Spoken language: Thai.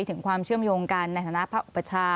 ถึงความเชื่อมโยงกันในธนาความประชา